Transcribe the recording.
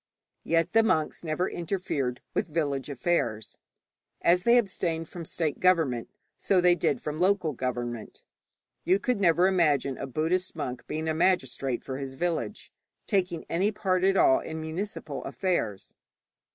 Yet the monks never interfered with village affairs. As they abstained from state government, so they did from local government. You never could imagine a Buddhist monk being a magistrate for his village, taking any part at all in municipal affairs.